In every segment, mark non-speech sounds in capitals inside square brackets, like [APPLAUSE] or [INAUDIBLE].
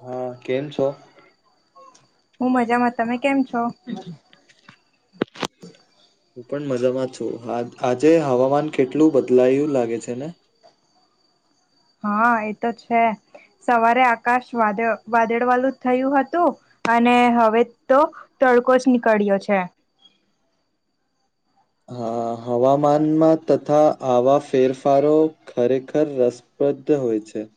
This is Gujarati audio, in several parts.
હા કેમ છો? હું મજામાં તમે કેમ છો? હું પણ મજામાં છું આજે હવામાન કેટલું બદલાયું લાગે છે ને હા એતો છે. સવારે આકાશ વા વાદળ વાલું થયું હતું અને હવે તો. તડકો જ નીકળ્યો છે. હમ. હા હવામાનમાં તથા આવા ફેરફારો ખરેખર રસપ્રદ હોય છે. હ.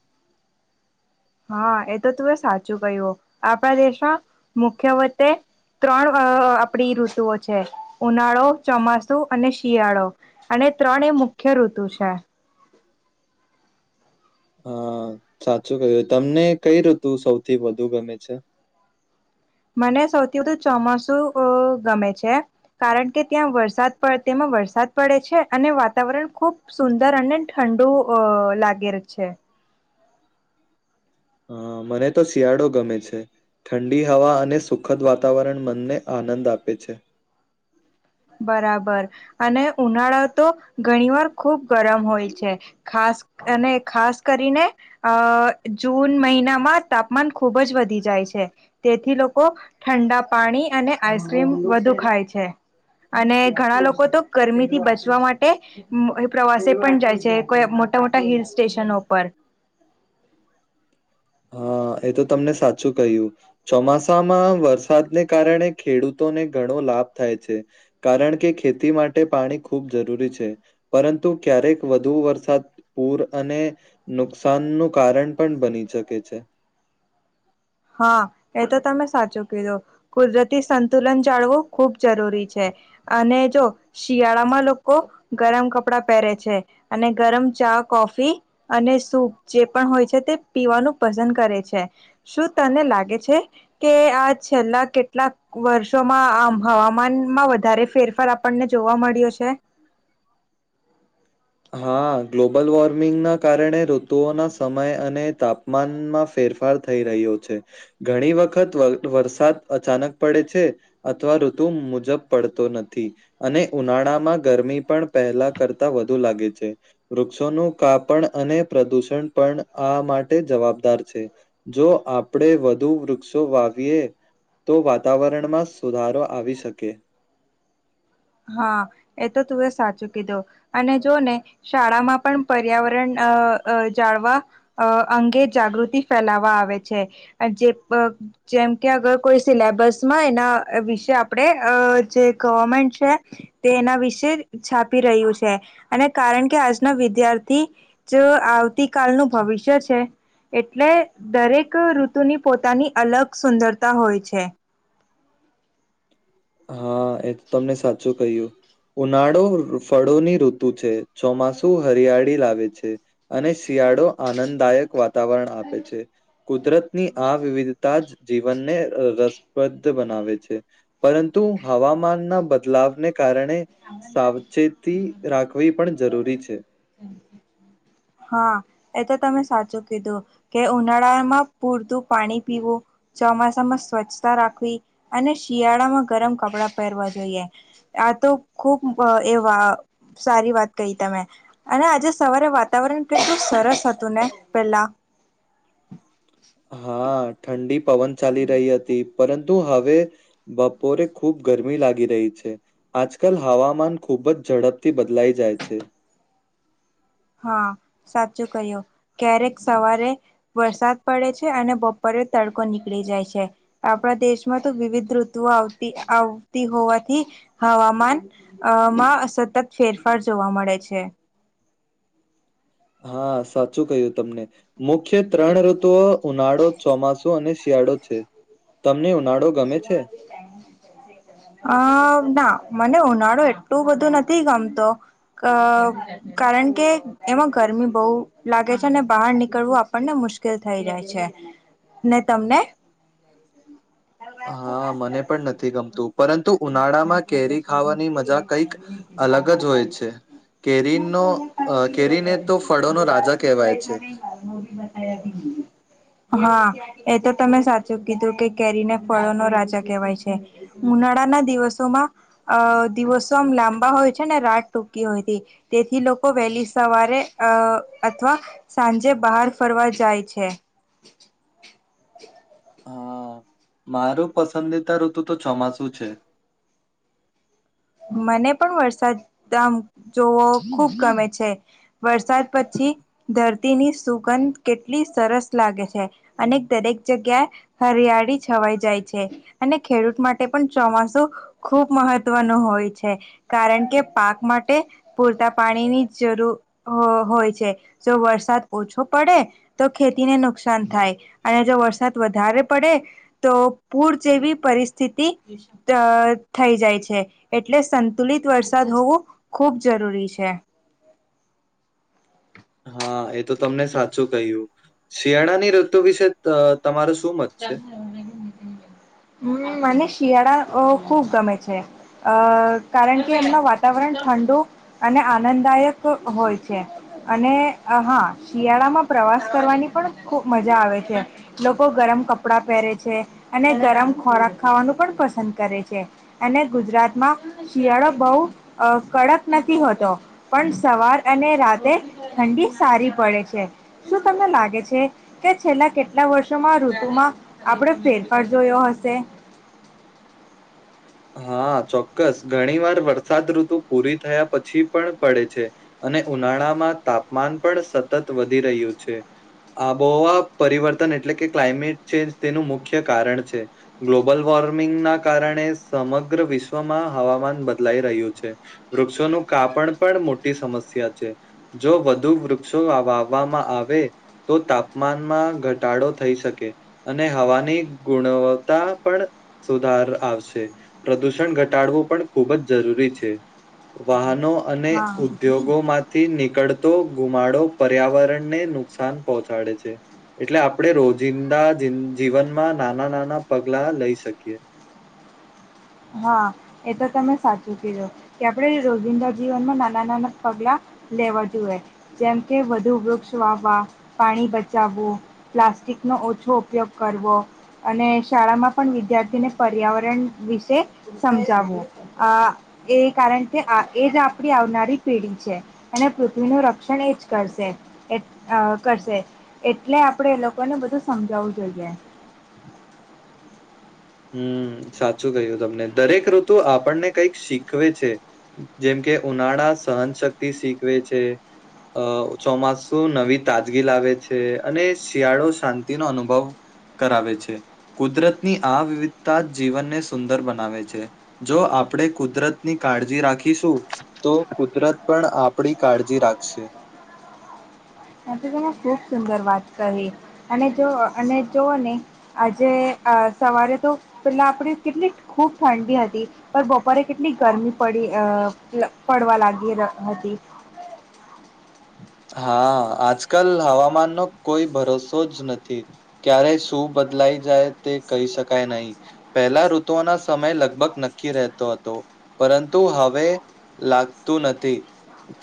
હા એ તો તું એ સાચું કહ્યું આપણા દેશમાં મુખ્ય વતે. ત્રણ આપણી ઋતુઓ છે ઉનાળો ચોમાસું અને શિયાળો અને એ ત્રણે મુખ્ય ઋતુ છે હા સાચું કય્યું તમને કઈ ઋતુ સૌથી વધુ ગમે છે [INAUDIBLE] મને સૌથી વધુ ચોમાસું અ ગમે છે કારણ કે ત્યાં વરસાદ પડે તેમાં વરસાદ પડે છે અને વાતાવરણ ખુબ સુંદર અને ઠંડુ અ લાગે છે. હા મને તો શિયાળો ગમે છે. ઠંડી હવા અને સુખદ વાતાવરણ મનને આનંદ આપે છે બરાબર અને ઉનાળા તો ઘણી વાર ખુબ ગરમ હોય છે ખાસ અને ખાસ કરીને અ જૂન મહિનામાં તાપમાન ખુબ જ વધી જાય તેથી લોકો ઠંડા પાણી અને આઈસક્રીમ વધુ ખાય છે... અને ઘણા લોકો તો ગરમી થી બચવા માટે પ્રવાસે પણ જાય છે કોઈ મોટા મોટા હિલ સ્ટેશનો ઉપર હા એ તો તમને સાચું કહ્યું ચોમાસામાં વરસાદને કારણે ખેડૂતોને ઘણા લાભ થાય છે કારણ કે ખેતી માટે પાણી ખૂબ જરૂરી છે પરુ ક્યારેક વધુ વરસાદ પૂર અને નુકસાન નું કારણ પણ બની શકે છે છે. હા એ તો તમે સાચું કીધો કુદરતી સંતુલન જાળવું ખુબ જરૂરી છે. અને જો શિયાળામાં લોકો ગરમ કપડા પહેરે છે અને ગરમ ચ કોફી અને સૂપ જે પણ હોય છે તે પીવાનું પસંદ કરે છે શું તને લાગે છે કે આ છેલ્લા કેટલાક વર્ષોમાં આમ હવામાન માં વધારે ફેરફાર આપણને જોવા મળ્યો છે.. હા ગ્લોબલ વોર્મિંગ ના કારણે ઋતુઓના સમય અને તાપમાનમાં ફેરફાર થઈ રહ્યો છે ઘણી વખત વર વરસાદ અચાનક પડે છે અથવા ઋતુ મુજબ પડતો નથી અને ઉનાળા માં ગરમી પણ પહેલા કરતા વધુ લાગે છે વૃક્ષોનું કાપણ અને પ્રદુષણ પણ આ માટે જવાબદાર છે જો આપણે વધુ વૃક્ષો વાવીએ તો વાતાવરણમાં સુધારો આવી શકે હા એ તો તું એ સાચું કીધું અને જો ને શાળામાં પણ પર્યાવરણ અ અજાળવા અંગે જાગૃતિ ફેલાવા આવે છે જે- જેમ કે અગર કોઈ સિલેબસમાં એના વિશે અ આપડે જે ગવર્મેન્ટ છે તે એના વિશે છાપી રહ્યું છે અને કારણ કે આજના વિદ્યાર્થી તો આવતી કલનું ભવિષ્ય છે એટલે દરેક ઋતુની પોતાની અલગ સુંદરતા હોય છે હા એ તો તમને સાચું કહ્યું ઉનાળો ફળોની ઋતુ છે. ચોમાસું હરિયાળી લાવે છે. અને શિયાળો આનંદદાયક વાતાવરણ આપે છે કુદરત ની આ વિવિધતા જ જીવનને રસપ્રદ બનાવે છે પરંતુ હવામાનના બદલાવને કારણે સાવચેતી રાખવી પણ જરૂરી છે ત [INAUDIBLE] હા એ તો તમે સાચું કીધું કે ઉનાળામાં પૂરતું પાણી પીવું ચોમાસા માં સ્વચ્છતા રાખવી અને શિયાળામાં ગરમ કપડા પહેરવા જોઈએ આ તો ખૂબ એ વા સારી વાત કહી તમે અને આજે સવારે વાત વાતાવરણ કેટલું સરસ હતું ને પેલા હા ઠંડી પવન ચાલી રહી હતી પરંતુ હવે બપોરે ખુબ ગરમી લાગી રહી છે આજકાલ હવામાન ખુબ જ ઝડપથી બદલાઈ જાય છે. હા સાચું કહ્યું ક્યારેક સવારે વરસાદ પડે છે અને બપોર તડકો નીકળી જાય છે આપણા દેશમાં તો વિવિધ ઋતુ આવતી આવતી હોવાથી હવામાન અમાં સતત ફેરફાર જોવા મળે છે. હા સાચું કહ્યું તમને મુખ્ય ત્રણ ઋતુઓ ઉનાળો ચોમાસુ અને શિયાળો છે તમને ઉનાળો ગમે છે? [UNINTELLIGIBLE] અ ના મને ઉનાળો એટલું બધું નથી ગમતો અ કારણ કે એમાં ગરમી બહુ લાગે છે અને બહાર નીકળવું આપણને મ મુશ્કેલ થઈ જાય છે ને તમને [INAUDIBLE] [INAUDIBLE] હા મને પણ નથી ગમતું પરંતુ ઉનાળામાં કેરી ખાવાની મજા કઈક અલગ જ હોય છે કેરીનો અ કેરીને એ તો ફળો ન રાજા કહેવાય છે હમ [INAUDIBLE] હા એ તો તમે સાચું કીધું કે કેરીને ફળો નો રાજા કહેવાય છે ઉનાળાના દિવસોમાં અ દિવસો આમ લાંબા હો હોય છે ને રાત ટૂંકી હોય હતી તેથી લોકો વહેલી સવારે અ અથવા સાંજ જે બહાર ફરવા જાય છે [INAUDIBLE] [INAUDIBLE] હા મારું પસંદીતા ઋતુ તો ચોમાસું છે [INAUDIBLE] [INAUDIBLE] મને પણ વરસાદ દમ જોવો ખુબ ગમે છે વરસાદ પછી ધરતીની સુગંધ કેટલી સરસ લાગે છે અને દરેક જગ્યાએ હરિયા હરિયાણી છવાઈ જાય છે અને ખેડૂત માટે પણ ચોમાસું ખુબ મહત્વનુ હોય છે કારણ કે પાક માટે પૂરતા પાણીની જરૂર હો હોય છે જો વરસાદ ઓછો પડે તો ખેતીને નુકસાન થાય અને જો વરસાદ વધારે પડે પડે તો પૂર જેવી પરિસ્થિતિ દ થઈ જાય છે એટલે સંતુલિત વરસાદ હોવો ખૂબ જરૂરી છે [INAUDIBLE] [INAUDIBLE] હા એ તો તમને સાચું કહ્યું શિયાળાની ઋતુ વિશે અ તમારું શું મત છે? હમ મનીષ શિયાળા અ ખૂબ ગમે છે અ કારણ કે એમનું વાતાવરણ ઠંડુ અને અને આનંદદાયક હોય છે અને હા શિયાળામાં પ્રવાસ કરવાની પણ ખુબ મજા આવે છે લોકો ગરમ કપડા પહેરે છે અને ગરમ ખોરાક ખાવાનું પણ પસંદ કરે છે અને ગુજરાતમાં શિયાળો બહુ અ કડક નથી હોતો પણ સવાર અને રાતે ઠંડી સારી પડે છે શું તમને લાગે છે કે છેલ્લા કેટલા વર્ષોમાં શ્રૃતુ માં આપડો ફેરફાર જોયો હશે હા ચોક્કસ ઘણી વાર વરસાદ ઋતુ પૂરી થયા પછી પણ પડે છે અને ઉનાળામાં તાપમાન પણ સતત વધી રહ્યું છે આબોહવા પરિવર્તન એટલે કે ક્લાઇમેટ ચેન્જ તેનું મુખ્ય કારણ છે ગ્લોબલ વોર્મ વોર્મિંગના કારણે સમગ્ર વિશ્વમાં હવામાન બદલાઈ રહ્યું છે વૃક્ષોનું કાપણ પણ મોટી સમસ્યા સમસ્યા છે જો વધુ વૃક્ષો વાવવામાં આવે તો તાપમાનમાં ઘટા ઘટાડો થઈ શકે અને હવાની ગુણવત્તા પણ સુધાર આવશે પ્રદૂષણ ઘટાડવું પણ ખૂબ જ જરૂરી છે વાહનો અને હા ઉદ્યોગો માંથી નીકળ તો ગુમાડો પર્યાવરણ ને નુકસાન પહોંચાડે છે એટલે આપણે રોજિંદા જી જીવનમાં નાના નાના પગલા લઈ શકીએ [INAUDIBLE] હા એ તો તમે સાચું કીધો કે આપડે રોજિંદા જીવનમાં નાના નાના પગલા લેવા જોએ જેમ કે વધુ વૃક્ષ વાવવા પાણી બચાવવું પ્લાસ્ટ પ્લાસિટિક ઓછો ઉપયોગ કરવો અને શાળામાં પણ વિદ્યાર્થી ને પર્યાવરણ વિ વિષય સમજાવવું આ એ કારણ કે એજ આપડી આવનારી પેઢી છે અને પૃથ્વીનું રક્ષણ એ જ કરશે એ અ કરશે એટલે આપણે એ લોકોને ને બધું સમજાવવું જોઈએ હમ સાચું કહ્યું તમને દરેક ઋતુ આપણને કઈક શીખવે છે જેમ કે કે ઉનાળા સહનશક્તિ શીખવે છે. અ ચોમાસું નવી તાજગી લાવે છે અને શિયાળો શાંતિનો અનુભવ કરાવે છે. કુદરતની આ વિવિધતા જ જીવનને સુંદર બનાવે છે જો આપણે કુદરતની કાળજી રાખીશું શું તો કુદરત પણ આપણી કાળજી રાખશે. આથી તને ખુબ સુંદર વાત કરી અને જો અને જોવ ને આજે આ સવારે તો પેલા આપડી કેટલી ખૂબ ઠંડી હતી પણ બપોરે કેટલી ગરમી પડી અ પડવા લાગી હતી હા આજકાલ હવામાન નો કોઈ ભરોસો જ નથી ક્યારે શું બદલાઈ જાય તે કહી શકાય નહીં પહેલા ઋતુઓના સમય લગભગ નક્કી રહેતો હતો. પરંતુ હવે લાગતું નથી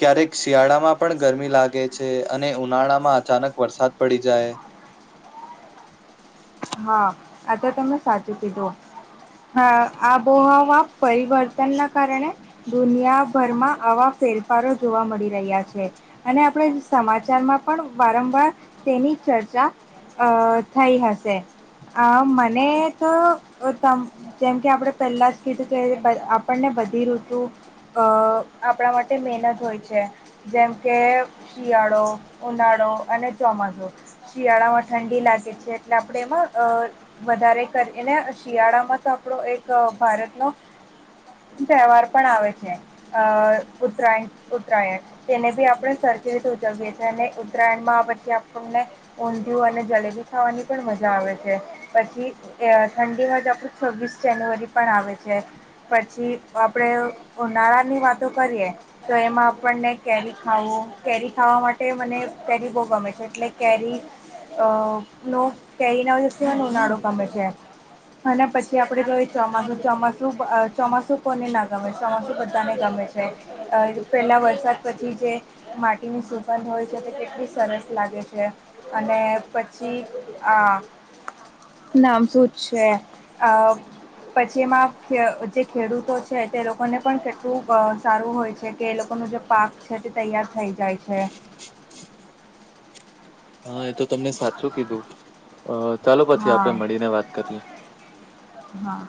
ક્યારેક શિયાળામાં પણ ગરમી લાગે છે અને ઉનાળામાં અચાનક વરસાદ પડી જાય. હા આ તો તમે સાચું કીધું. હા આબોહવા પરિવર્તનના કારણે દુનિયાભરમાં આવા ફેરફારો જોવા મળી રહ્યા છે અને આપણે સમાચારમાં પણ વારંવાર તેની ચર્ચા અ થઈ હશે. અ મને તો અ તમ જેમ કે આપણે પહેલા જ કીધું તે આપણ આપણને બધી ઋતુ અ આપણા માટે મહેનત હોય છે જેમકે શિયાળો, ઉનાળો, અને ચોમાસું શિયાળામાં ઠંડી લાગે છે એટલે આપણે એમાં અ વધારે કરીને શિયાળામાં તો આપણો એક ભારતનો તહેવાર પણ આવે છે અ ઉત્તરાયણ ઉત્તરાયણ તેને બી આપડે સરખી રીતે ઉજવીએ છે અને ઉત્તરાયણમાં આ પછી આપને ઊંધિુંયુ અને જલેબી ખાવાની પણ મજા આવે છે. છે. પછી ઠંડીમાંજ આપણું છવ્વીસ જાન્યુઆરી પણ આવે છે. પછી આપડે ઉનાળા ની વાતો કરીએ તો એમાં આપણને કેરી ખાવું કેરી ખાવા માટે મને કેરી બહુ ગમે છે એટલે કેરી અ નો કેરીનો એટલે મને ઉનાળો ગમે છે. અને પછી આપડે જોય ચોમાસું ચોમાસું અ ચોમાસું કોને ના ગમે ચોમાસું બધાને ગમે. છે. પહેલા વરસાદ પછી જે માટીની સુગંધ હોય છે તે કેટલી સરસ લાગે લાગે છે અને પછી અ નામ શું જ છે અ પછી એમાં જે ખેડૂતો છે તે લોકોને પણ કેટલું અ સારું હોય છે. કે એ લોકોનો જે પાક છે તે તૈયાર થઈ જાય છે. હા એ તો તમને સાચું કીધું. અ ચાલો પછી હા આપે મળીને વાત કરીએ. હા